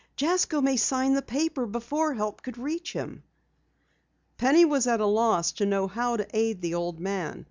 Jasko may sign the paper before help could reach him." Penny was at a loss to know how to aid the old man.